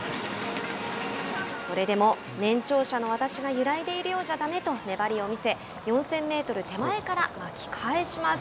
それでも年長者の私が揺らいでいるようじゃだめと粘りを見せ４０００メートル手前から巻き返します。